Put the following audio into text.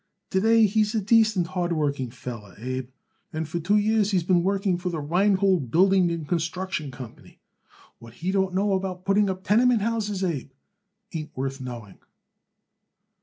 "To day he's a decent, hard working feller, Abe, and for two years he's been working for the Rheingold Building and Construction Company. What he don't know about putting up tenement houses, Abe, ain't worth knowing."